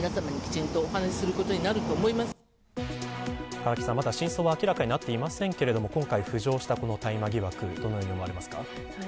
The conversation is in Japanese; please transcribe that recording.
唐木さん、真相は明らかになっていませんが今回、浮上した大麻疑惑どのように思われますか。